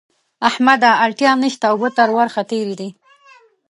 احمده! اړتیا نه شته؛ اوبه تر ورخ تېرې دي.